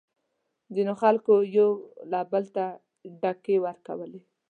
ځینو خلکو یو او بل ته ډیکې ورکولې.